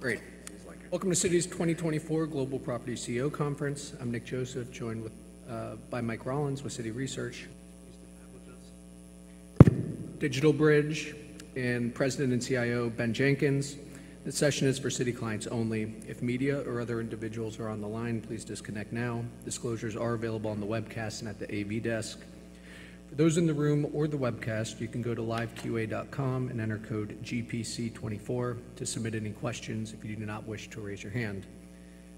Great. Welcome to Citi's 2024 Global Property CEO Conference. I'm Nick Joseph, joined by Mike Rollins with Citi Research. Please stand up with us. DigitalBridge and President and CIO Ben Jenkins. This session is for Citi clients only. If media or other individuals are on the line, please disconnect now. Disclosures are available on the webcast and at the AV desk. For those in the room or the webcast, you can go to LiveQA and enter code GPC24 to submit any questions if you do not wish to raise your hand.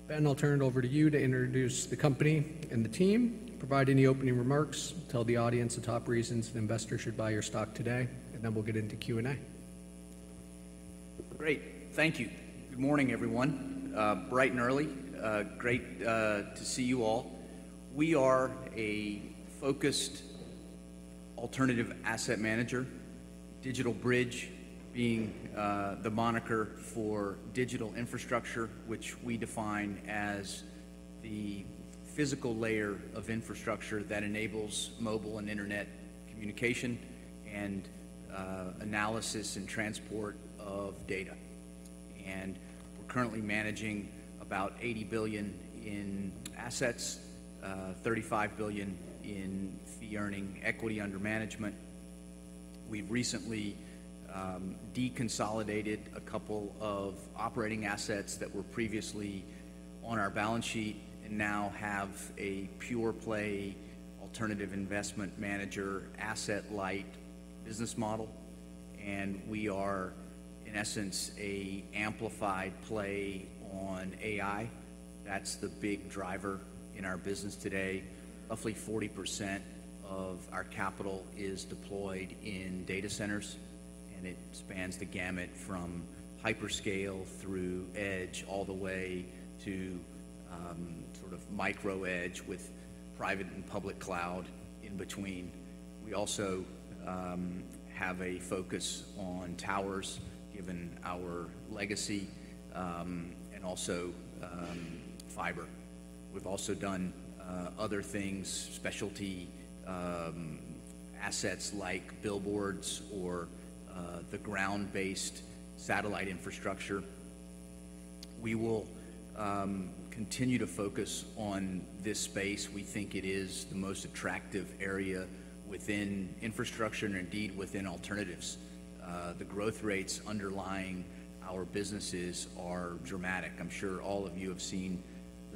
Ben, I'll turn it over to you to introduce the company and the team. Provide any opening remarks, tell the audience the top reasons an investor should buy your stock today, and then we'll get into Q&A. Great. Thank you. Good morning, everyone. Bright and early. Great to see you all. We are a focused alternative asset manager, DigitalBridge being the moniker for digital infrastructure, which we define as the physical layer of infrastructure that enables mobile and internet communication and analysis and transport of data. We're currently managing about $80 billion in assets, $35 billion in fee earning equity under management. We've recently deconsolidated a couple of operating assets that were previously on our balance sheet and now have a pure play alternative investment manager asset light business model. We are, in essence, an amplified play on AI. That's the big driver in our business today. Roughly 40% of our capital is deployed in data centers, and it spans the gamut from hyperscale through edge all the way to sort of micro edge with private and public cloud in between. We also have a focus on towers given our legacy and also fiber. We've also done other things, specialty assets like billboards or the ground-based satellite infrastructure. We will continue to focus on this space. We think it is the most attractive area within infrastructure and indeed within alternatives. The growth rates underlying our businesses are dramatic. I'm sure all of you have seen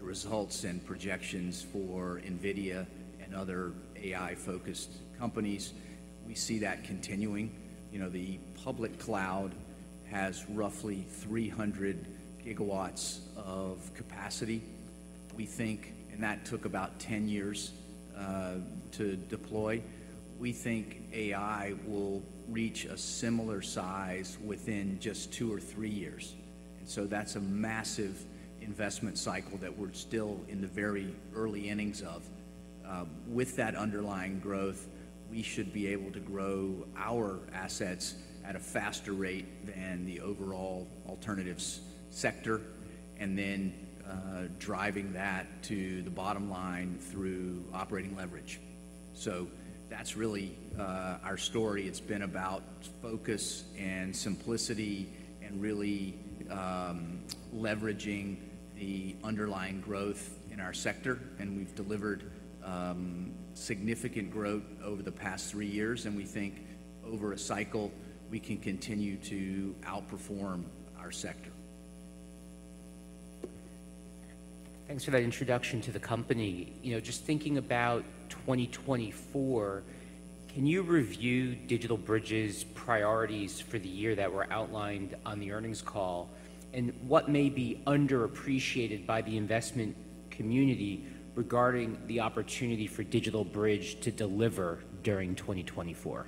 the results and projections for NVIDIA and other AI-focused companies. We see that continuing. The public cloud has roughly 300 GW of capacity, we think, and that took about 10 years to deploy. We think AI will reach a similar size within just 2 or 3 years. And so that's a massive investment cycle that we're still in the very early innings of. With that underlying growth, we should be able to grow our assets at a faster rate than the overall alternatives sector and then driving that to the bottom line through operating leverage. So that's really our story. It's been about focus and simplicity and really leveraging the underlying growth in our sector. We've delivered significant growth over the past three years, and we think over a cycle we can continue to outperform our sector. Thanks for that introduction to the company. Just thinking about 2024, can you review DigitalBridge's priorities for the year that were outlined on the earnings call and what may be underappreciated by the investment community regarding the opportunity for DigitalBridge to deliver during 2024?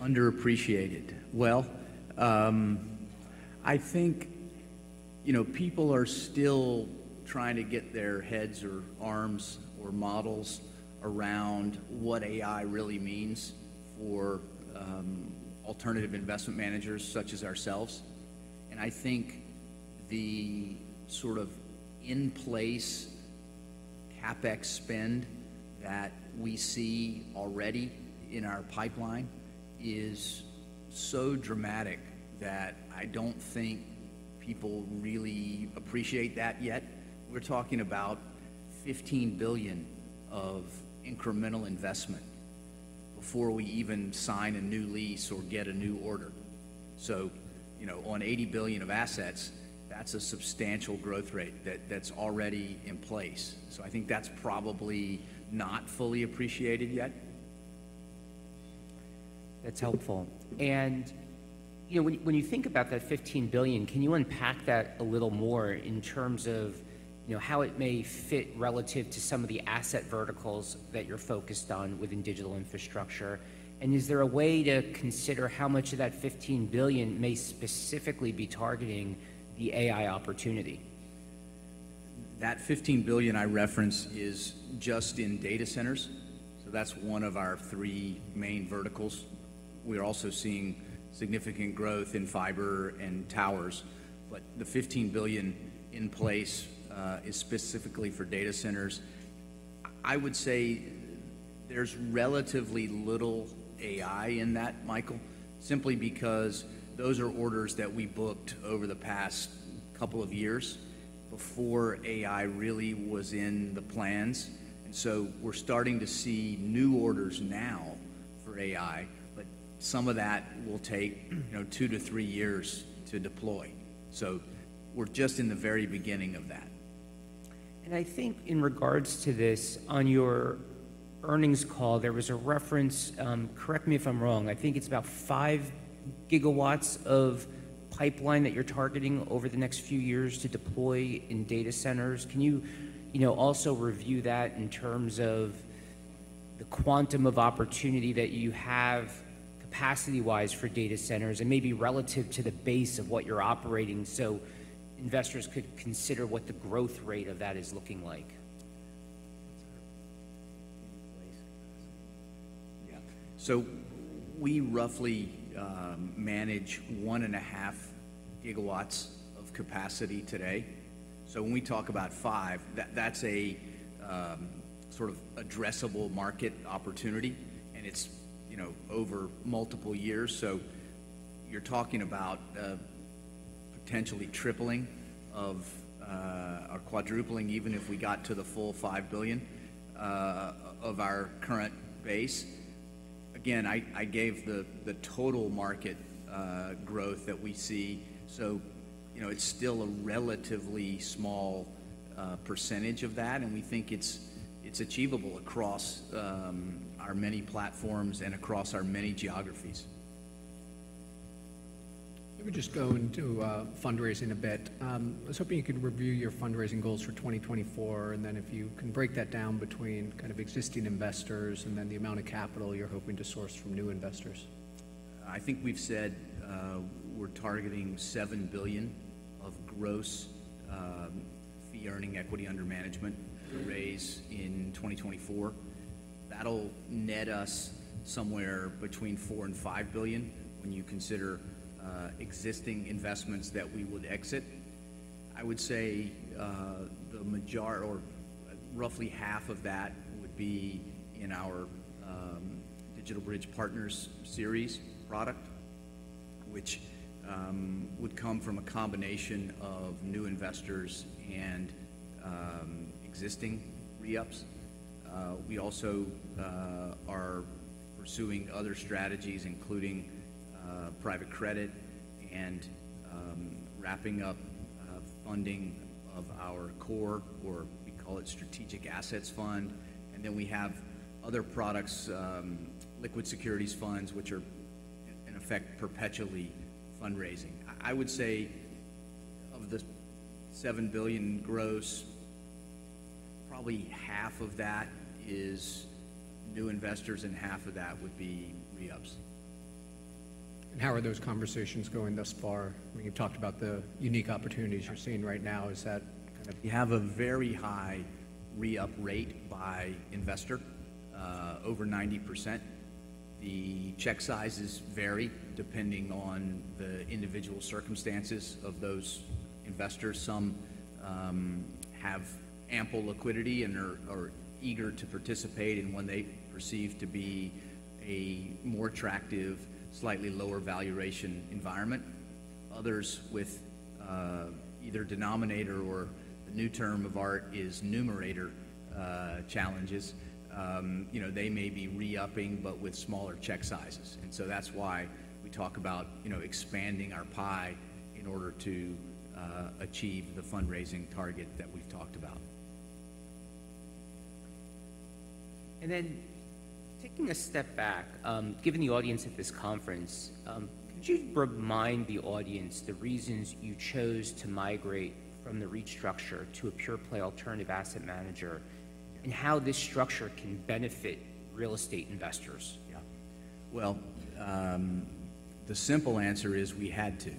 Underappreciated. Well, I think people are still trying to get their heads or arms or models around what AI really means for alternative investment managers such as ourselves. And I think the sort of in-place CapEx spend that we see already in our pipeline is so dramatic that I don't think people really appreciate that yet. We're talking about $15 billion of incremental investment before we even sign a new lease or get a new order. So on $80 billion of assets, that's a substantial growth rate that's already in place. So I think that's probably not fully appreciated yet. That's helpful. And when you think about that $15 billion, can you unpack that a little more in terms of how it may fit relative to some of the asset verticals that you're focused on within digital infrastructure? And is there a way to consider how much of that $15 billion may specifically be targeting the AI opportunity? That $15 billion I reference is just in data centers. That's one of our three main verticals. We are also seeing significant growth in fiber and towers. But the $15 billion in place is specifically for data centers. I would say there's relatively little AI in that, Michael, simply because those are orders that we booked over the past couple of years before AI really was in the plans. And so we're starting to see new orders now for AI, but some of that will take 2-3 years to deploy. We're just in the very beginning of that. I think in regards to this, on your earnings call, there was a reference, correct me if I'm wrong, I think it's about 5 gigawatts of pipeline that you're targeting over the next few years to deploy in data centers. Can you also review that in terms of the quantum of opportunity that you have capacity-wise for data centers and maybe relative to the base of what you're operating so investors could consider what the growth rate of that is looking like? That's our in-place capacity. Yeah. So we roughly manage 1.5 GW of capacity today. So when we talk about 5, that's a sort of addressable market opportunity, and it's over multiple years. So you're talking about potentially tripling or quadrupling even if we got to the full $5 billion of our current base. Again, I gave the total market growth that we see. So it's still a relatively small percentage of that, and we think it's achievable across our many platforms and across our many geographies. Let me just go into fundraising a bit. I was hoping you could review your fundraising goals for 2024 and then if you can break that down between kind of existing investors and then the amount of capital you're hoping to source from new investors? I think we've said we're targeting $7 billion of gross fee earning equity under management to raise in 2024. That'll net us somewhere between $4 billion and $5 billion when you consider existing investments that we would exit. I would say the major or roughly half of that would be in our DigitalBridge Partners series product, which would come from a combination of new investors and existing re-ups. We also are pursuing other strategies including private credit and wrapping up funding of our core or we call it Strategic Assets Fund. And then we have other products, liquid securities funds, which are in effect perpetually fundraising. I would say of the $7 billion gross, probably half of that is new investors and half of that would be re-ups. And how are those conversations going thus far? I mean, you've talked about the unique opportunities you're seeing right now. Is that kind of? We have a very high re-up rate by investor, over 90%. The check sizes vary depending on the individual circumstances of those investors. Some have ample liquidity and are eager to participate in one they perceive to be a more attractive, slightly lower valuation environment. Others with either denominator or the new term of art is numerator challenges. They may be re-upping but with smaller check sizes. So that's why we talk about expanding our pie in order to achieve the fundraising target that we've talked about. And then taking a step back, given the audience at this conference, could you remind the audience the reasons you chose to migrate from the REIT structure to a pure play alternative asset manager and how this structure can benefit real estate investors? Yeah. Well, the simple answer is we had to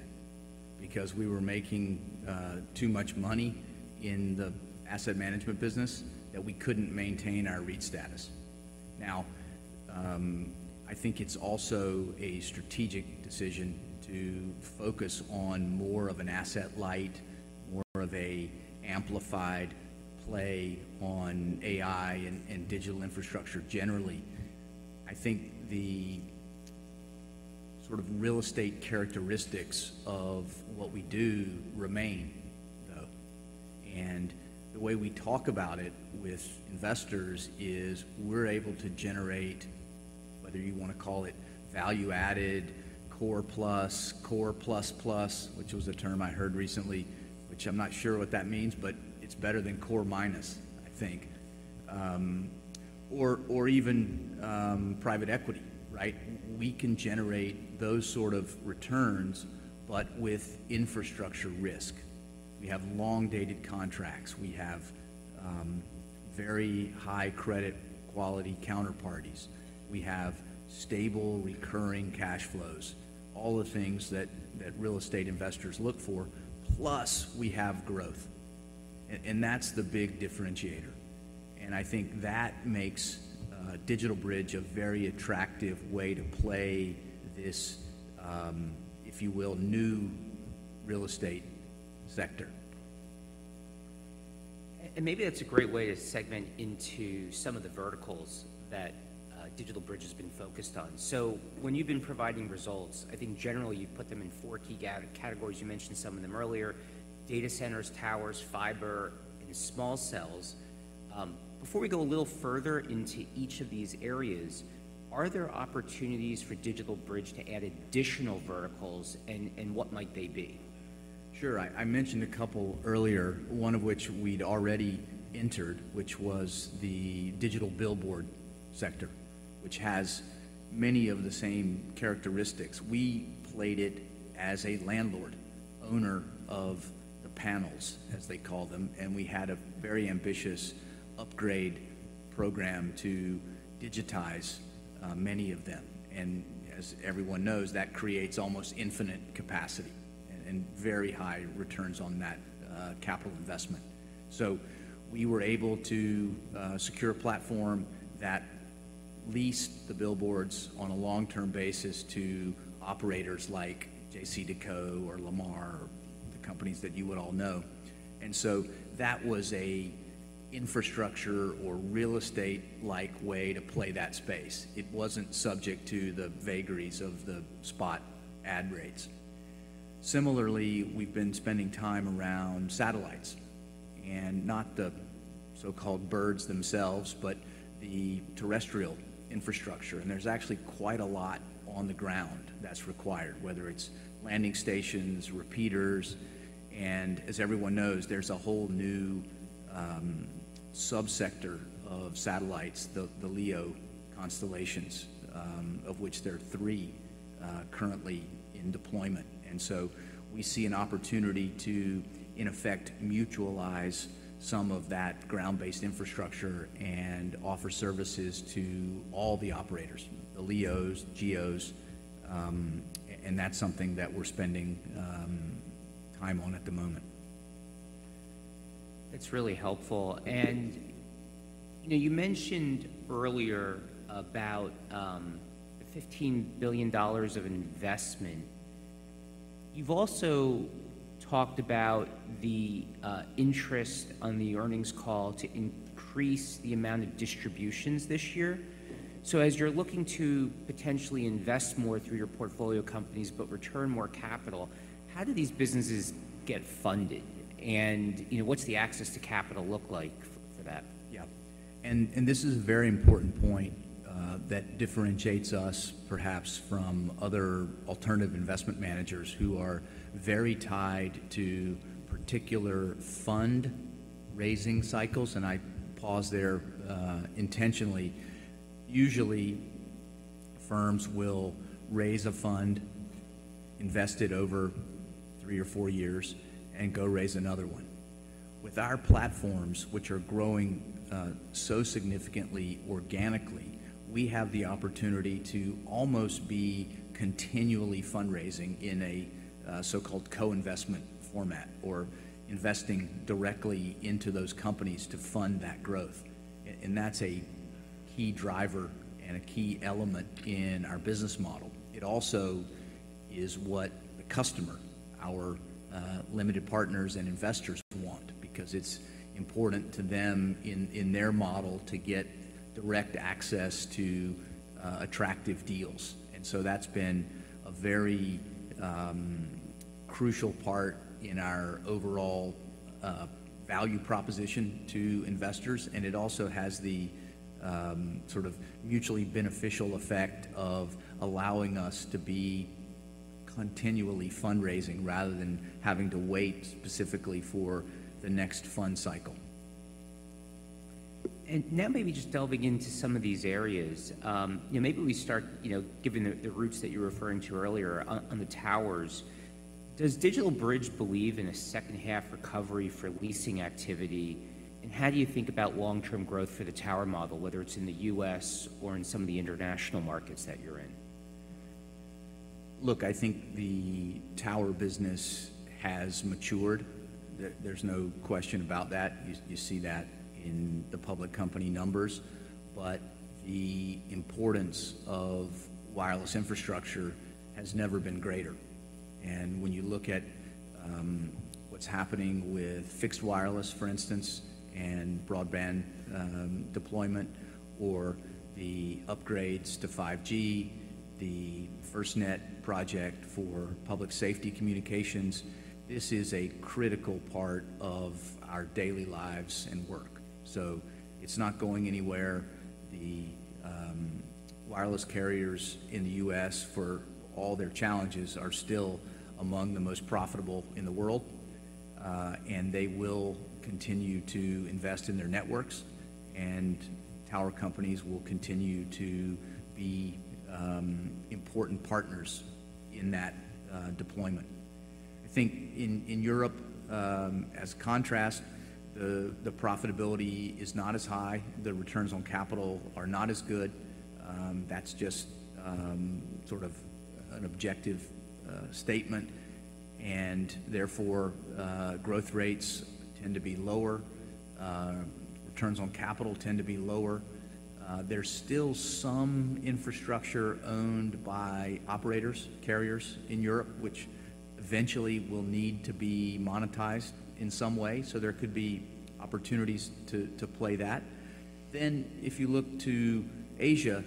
because we were making too much money in the asset management business that we couldn't maintain our REIT status. Now, I think it's also a strategic decision to focus on more of an asset light, more of an amplified play on AI and digital infrastructure generally. I think the sort of real estate characteristics of what we do remain though. And the way we talk about it with investors is we're able to generate, whether you want to call it value added, core plus, core plus plus, which was a term I heard recently, which I'm not sure what that means, but it's better than core minus, I think, or even private equity, right? We can generate those sort of returns but with infrastructure risk. We have long-dated contracts. We have very high credit quality counterparties. We have stable recurring cash flows, all the things that real estate investors look for. Plus, we have growth. And that's the big differentiator. And I think that makes DigitalBridge a very attractive way to play this, if you will, new real estate sector. Maybe that's a great way to segment into some of the verticals that DigitalBridge has been focused on. When you've been providing results, I think generally you've put them in four key categories. You mentioned some of them earlier: data centers, towers, fiber, and small cells. Before we go a little further into each of these areas, are there opportunities for DigitalBridge to add additional verticals, and what might they be? Sure. I mentioned a couple earlier, one of which we'd already entered, which was the digital billboard sector, which has many of the same characteristics. We played it as a landlord, owner of the panels, as they call them, and we had a very ambitious upgrade program to digitize many of them. And as everyone knows, that creates almost infinite capacity and very high returns on that capital investment. So we were able to secure a platform that leased the billboards on a long-term basis to operators like JCDecaux or Lamar or the companies that you would all know. And so that was an infrastructure or real estate-like way to play that space. It wasn't subject to the vagaries of the spot ad rates. Similarly, we've been spending time around satellites and not the so-called birds themselves but the terrestrial infrastructure. There's actually quite a lot on the ground that's required, whether it's landing stations, repeaters. As everyone knows, there's a whole new subsector of satellites, the LEO constellations, of which there are three currently in deployment. So we see an opportunity to, in effect, mutualize some of that ground-based infrastructure and offer services to all the operators, the LEOs, GEOs. That's something that we're spending time on at the moment. That's really helpful. You mentioned earlier about the $15 billion of investment. You've also talked about the interest on the earnings call to increase the amount of distributions this year. So as you're looking to potentially invest more through your portfolio companies but return more capital, how do these businesses get funded? What's the access to capital look like for that? Yeah. And this is a very important point that differentiates us perhaps from other alternative investment managers who are very tied to particular fund-raising cycles. And I pause there intentionally. Usually, firms will raise a fund invested over three or four years and go raise another one. With our platforms, which are growing so significantly organically, we have the opportunity to almost be continually fundraising in a so-called co-investment format or investing directly into those companies to fund that growth. And that's a key driver and a key element in our business model. It also is what the customer, our limited partners and investors, want because it's important to them in their model to get direct access to attractive deals. And so that's been a very crucial part in our overall value proposition to investors. It also has the sort of mutually beneficial effect of allowing us to be continually fundraising rather than having to wait specifically for the next fund cycle. And now maybe just delving into some of these areas, maybe we start given the roots that you were referring to earlier on the towers, does DigitalBridge believe in a second-half recovery for leasing activity? And how do you think about long-term growth for the tower model, whether it's in the U.S. or in some of the international markets that you're in? Look, I think the tower business has matured. There's no question about that. You see that in the public company numbers. But the importance of wireless infrastructure has never been greater. And when you look at what's happening with fixed wireless, for instance, and broadband deployment or the upgrades to 5G, the FirstNet project for public safety communications, this is a critical part of our daily lives and work. So it's not going anywhere. The wireless carriers in the U.S., for all their challenges, are still among the most profitable in the world. And they will continue to invest in their networks. And tower companies will continue to be important partners in that deployment. I think in Europe, as contrast, the profitability is not as high. The returns on capital are not as good. That's just sort of an objective statement. And therefore, growth rates tend to be lower. Returns on capital tend to be lower. There's still some infrastructure owned by operators, carriers in Europe, which eventually will need to be monetized in some way. So there could be opportunities to play that. Then if you look to Asia,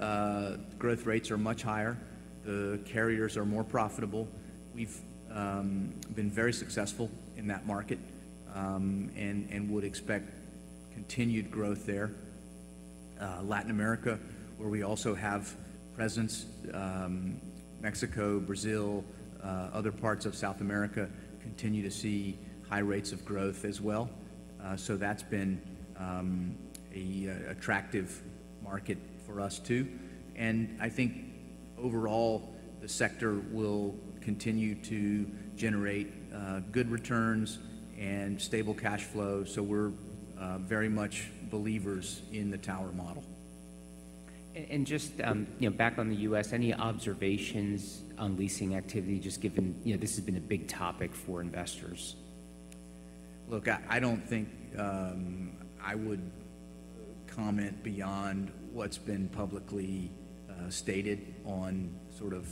their growth rates are much higher. The carriers are more profitable. We've been very successful in that market and would expect continued growth there. Latin America, where we also have presence, Mexico, Brazil, other parts of South America continue to see high rates of growth as well. So that's been an attractive market for us too. And I think overall the sector will continue to generate good returns and stable cash flows. So we're very much believers in the tower model. Just back on the U.S., any observations on leasing activity, just given this has been a big topic for investors? Look, I don't think I would comment beyond what's been publicly stated on sort of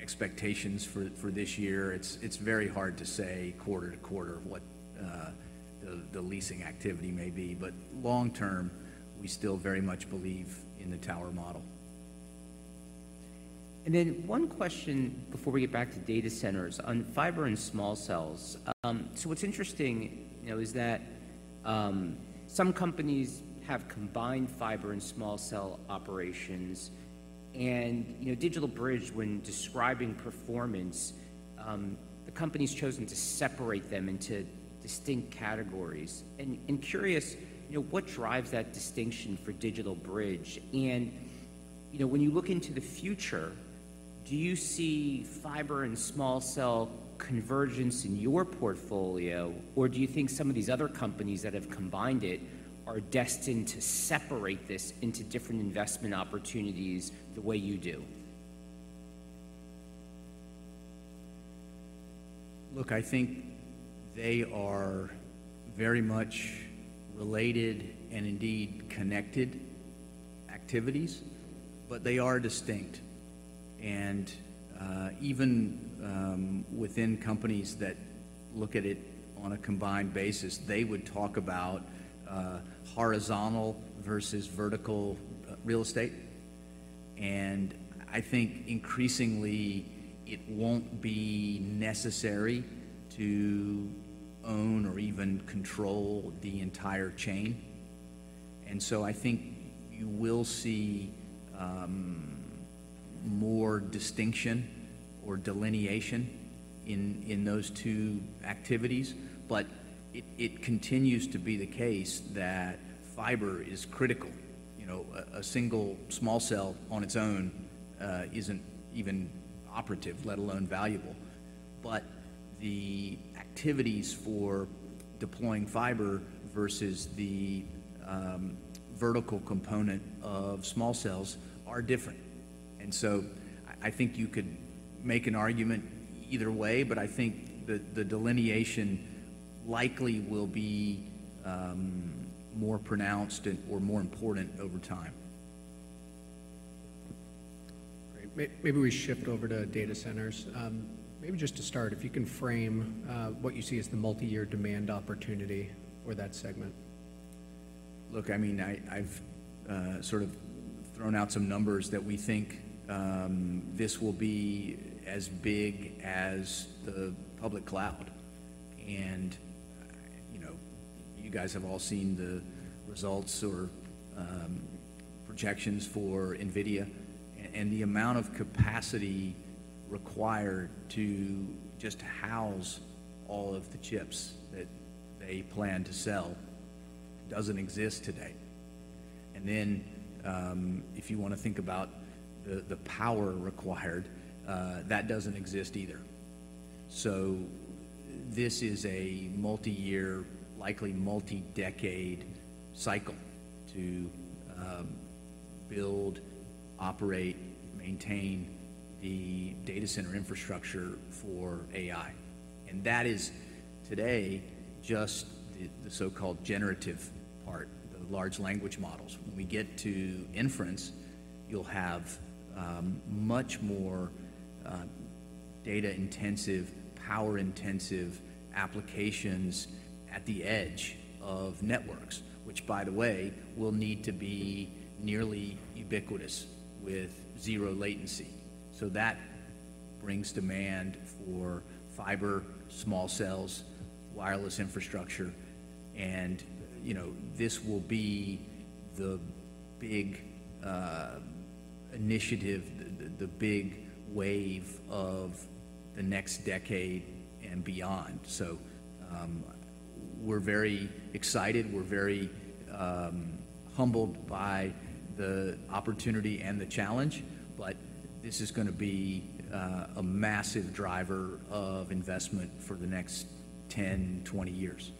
expectations for this year. It's very hard to say quarter to quarter what the leasing activity may be. But long-term, we still very much believe in the tower model. And then one question before we get back to data centers on fiber and small cells. So what's interesting is that some companies have combined fiber and small cell operations. And DigitalBridge, when describing performance, the company's chosen to separate them into distinct categories. And I'm curious, what drives that distinction for DigitalBridge? And when you look into the future, do you see fiber and small cell convergence in your portfolio, or do you think some of these other companies that have combined it are destined to separate this into different investment opportunities the way you do? Look, I think they are very much related and indeed connected activities. But they are distinct. And even within companies that look at it on a combined basis, they would talk about horizontal versus vertical real estate. And I think increasingly it won't be necessary to own or even control the entire chain. And so I think you will see more distinction or delineation in those two activities. But it continues to be the case that fiber is critical. A single small cell on its own isn't even operative, let alone valuable. But the activities for deploying fiber versus the vertical component of small cells are different. And so I think you could make an argument either way, but I think the delineation likely will be more pronounced or more important over time. Great. Maybe we shift over to data centers. Maybe just to start, if you can frame what you see as the multi-year demand opportunity for that segment? Look, I mean, I've sort of thrown out some numbers that we think this will be as big as the public cloud. And you guys have all seen the results or projections for NVIDIA. And the amount of capacity required to just house all of the chips that they plan to sell doesn't exist today. And then if you want to think about the power required, that doesn't exist either. So this is a multi-year, likely multi-decade cycle to build, operate, maintain the data center infrastructure for AI. And that is today just the so-called generative part, the large language models. When we get to inference, you'll have much more data-intensive, power-intensive applications at the edge of networks, which, by the way, will need to be nearly ubiquitous with zero latency. So that brings demand for fiber, small cells, wireless infrastructure. This will be the big initiative, the big wave of the next decade and beyond. We're very excited. We're very humbled by the opportunity and the challenge. This is going to be a massive driver of investment for the next 10, 20 years.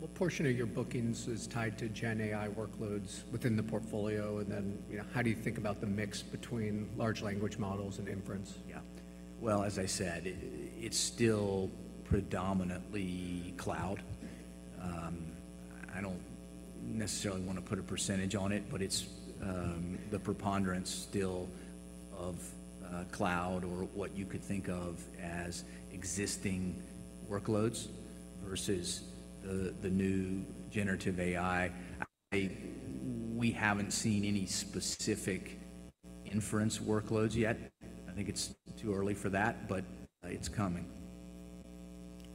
What portion of your bookings is tied to GenAI workloads within the portfolio? And then how do you think about the mix between large language models and inference? Yeah. Well, as I said, it's still predominantly cloud. I don't necessarily want to put a percentage on it, but it's the preponderance still of cloud or what you could think of as existing workloads versus the new generative AI. We haven't seen any specific inference workloads yet. I think it's too early for that, but it's coming.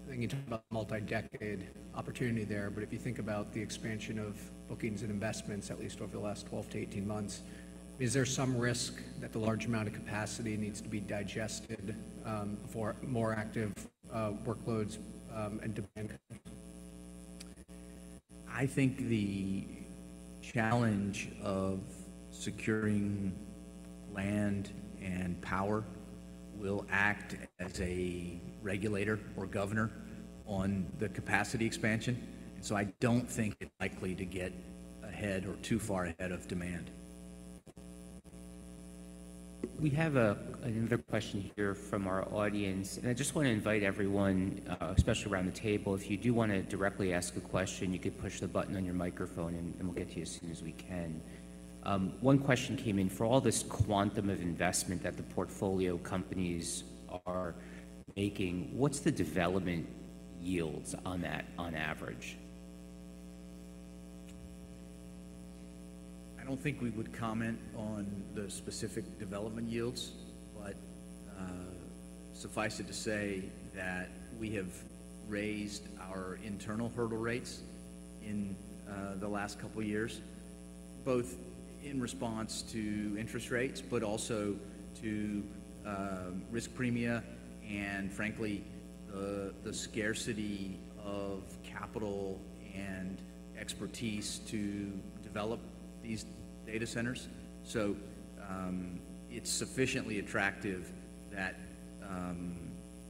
I think you talked about multi-decade opportunity there. But if you think about the expansion of bookings and investments, at least over the last 12-18 months, is there some risk that the large amount of capacity needs to be digested before more active workloads and demand comes? I think the challenge of securing land and power will act as a regulator or governor on the capacity expansion. And so I don't think it's likely to get ahead or too far ahead of demand. We have another question here from our audience. I just want to invite everyone, especially around the table, if you do want to directly ask a question, you could push the button on your microphone and we'll get to you as soon as we can. One question came in. For all this quantum of investment that the portfolio companies are making, what's the development yields on that on average? I don't think we would comment on the specific development yields. Suffice it to say that we have raised our internal hurdle rates in the last couple of years, both in response to interest rates but also to risk premia and, frankly, the scarcity of capital and expertise to develop these data centers. It's sufficiently attractive that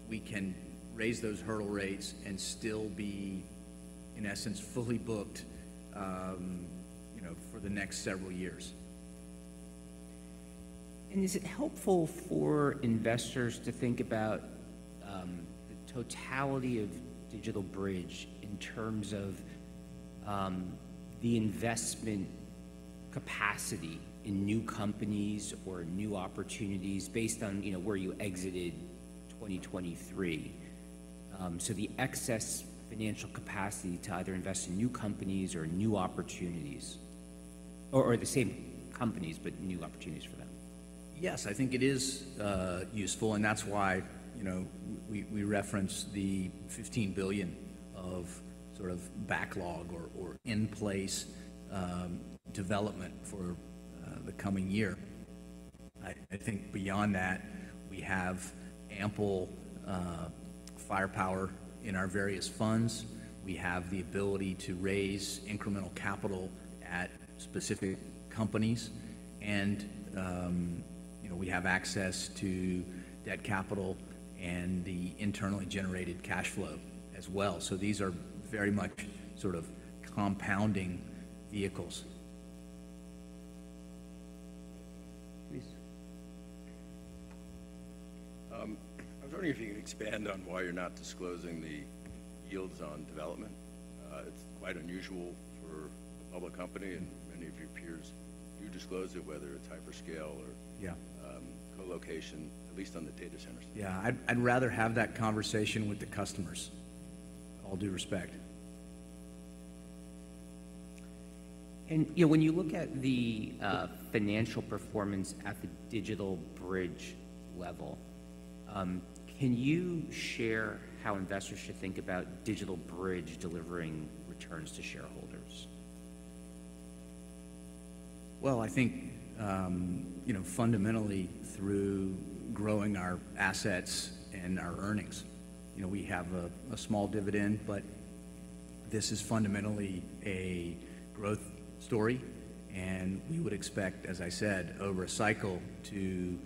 we can raise those hurdle rates and still be, in essence, fully booked for the next several years. Is it helpful for investors to think about the totality of DigitalBridge in terms of the investment capacity in new companies or new opportunities based on where you exited 2023, so the excess financial capacity to either invest in new companies or new opportunities or the same companies but new opportunities for them? Yes, I think it is useful. And that's why we reference the $15 billion of sort of backlog or in-place development for the coming year. I think beyond that, we have ample firepower in our various funds. We have the ability to raise incremental capital at specific companies. And we have access to debt capital and the internally generated cash flow as well. So these are very much sort of compounding vehicles. I was wondering if you could expand on why you're not disclosing the yields on development. It's quite unusual for a public company. Many of your peers do disclose it, whether it's hyperscale or colocation, at least on the data center side. Yeah. I'd rather have that conversation with the customers, all due respect. When you look at the financial performance at the DigitalBridge level, can you share how investors should think about DigitalBridge delivering returns to shareholders? Well, I think fundamentally through growing our assets and our earnings. We have a small dividend, but this is fundamentally a growth story. We would expect, as I said, over a cycle to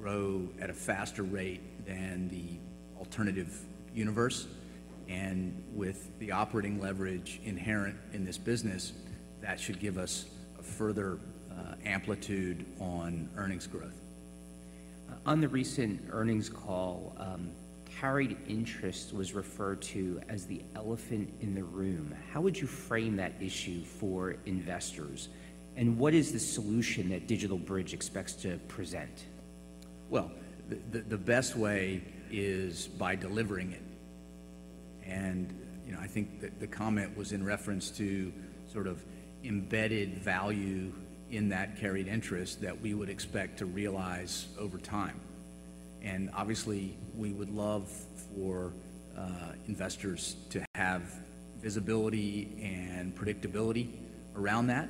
grow at a faster rate than the alternative universe. With the operating leverage inherent in this business, that should give us a further amplitude on earnings growth. On the recent earnings call, carried interest was referred to as the elephant in the room. How would you frame that issue for investors? What is the solution that DigitalBridge expects to present? Well, the best way is by delivering it. And I think the comment was in reference to sort of embedded value in that carried interest that we would expect to realize over time. And obviously, we would love for investors to have visibility and predictability around that.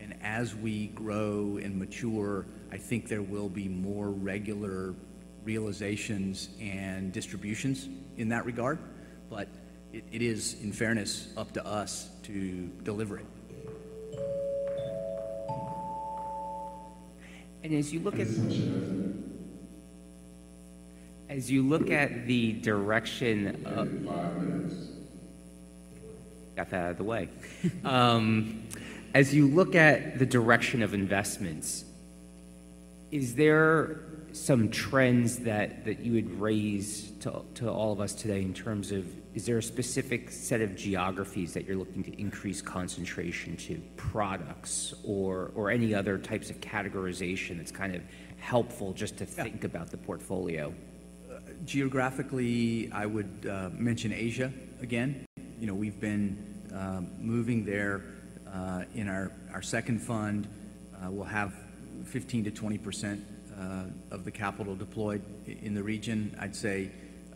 And as we grow and mature, I think there will be more regular realizations and distributions in that regard. But it is, in fairness, up to us to deliver it. As you look at. As you look at the direction of. Got that out of the way. As you look at the direction of investments, is there some trends that you would raise to all of us today in terms of is there a specific set of geographies that you're looking to increase concentration to, products or any other types of categorization that's kind of helpful just to think about the portfolio? Geographically, I would mention Asia again. We've been moving there in our second fund. We'll have 15%-20% of the capital deployed in the region. I'd say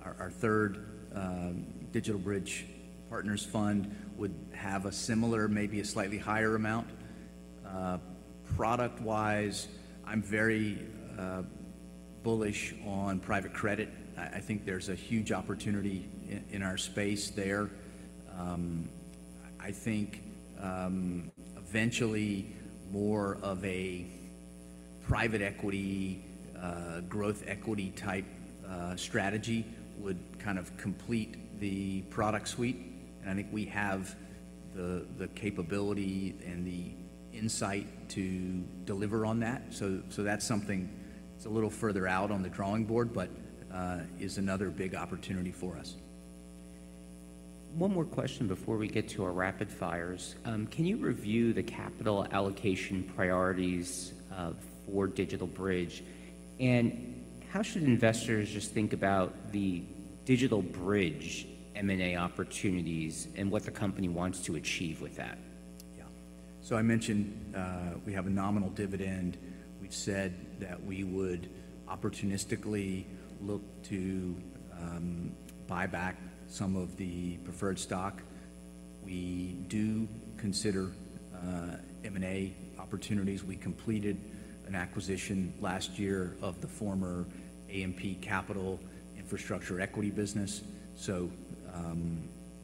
our third DigitalBridge Partners Fund would have a similar, maybe a slightly higher amount. Product-wise, I'm very bullish on private credit. I think there's a huge opportunity in our space there. I think eventually more of a private equity growth equity type strategy would kind of complete the product suite. And I think we have the capability and the insight to deliver on that. So that's something that's a little further out on the drawing board but is another big opportunity for us. One more question before we get to our rapid fires. Can you review the capital allocation priorities for DigitalBridge? How should investors just think about the DigitalBridge M&A opportunities and what the company wants to achieve with that? Yeah. So I mentioned we have a nominal dividend. We've said that we would opportunistically look to buy back some of the preferred stock. We do consider M&A opportunities. We completed an acquisition last year of the former AMP Capital Infrastructure Equity business. So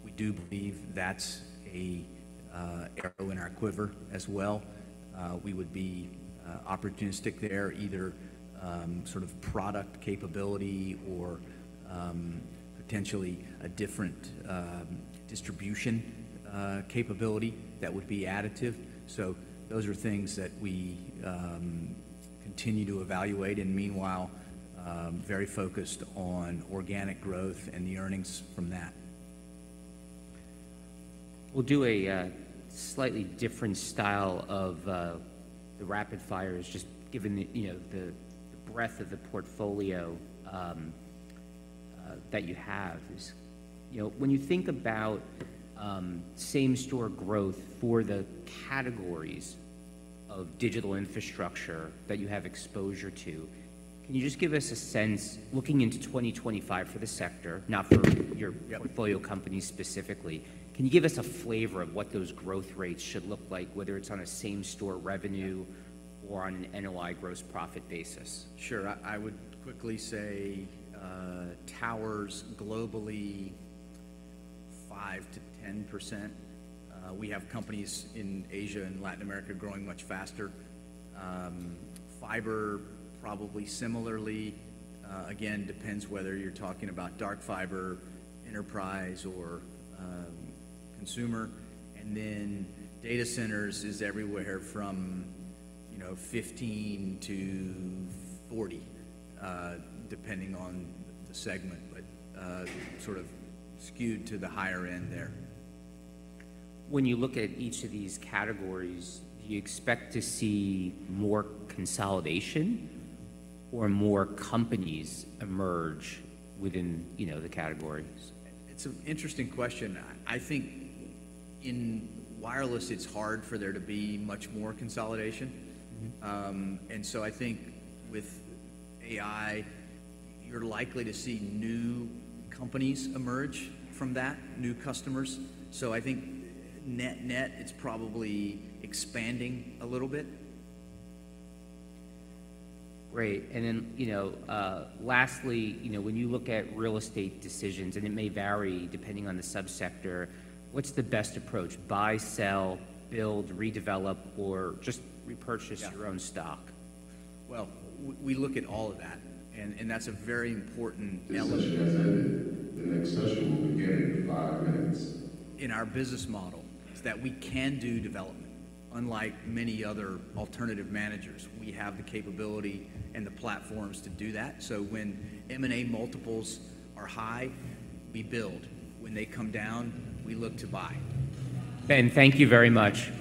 we do believe that's an arrow in our quiver as well. We would be opportunistic there, either sort of product capability or potentially a different distribution capability that would be additive. So those are things that we continue to evaluate and, meanwhile, very focused on organic growth and the earnings from that. We'll do a slightly different style of the rapid fires, just given the breadth of the portfolio that you have. When you think about same-store growth for the categories of digital infrastructure that you have exposure to, can you just give us a sense, looking into 2025 for the sector, not for your portfolio companies specifically, can you give us a flavor of what those growth rates should look like, whether it's on a same-store revenue or on an NOI gross profit basis? Sure. I would quickly say towers globally 5%-10%. We have companies in Asia and Latin America growing much faster. Fiber probably similarly. Again, depends whether you're talking about dark fiber, enterprise, or consumer. And then data centers is everywhere from 15%-40%, depending on the segment, but sort of skewed to the higher end there. When you look at each of these categories, do you expect to see more consolidation or more companies emerge within the categories? It's an interesting question. I think in wireless, it's hard for there to be much more consolidation. And so I think with AI, you're likely to see new companies emerge from that, new customers. So I think net-net, it's probably expanding a little bit. Great. And then lastly, when you look at real estate decisions - and it may vary depending on the subsector - what's the best approach: buy, sell, build, redevelop, or just repurchase your own stock? Well, we look at all of that. That's a very important element. In our business model, is that we can do development. Unlike many other alternative managers, we have the capability and the platforms to do that. So when M&A multiples are high, we build. When they come down, we look to buy. Ben, thank you very much.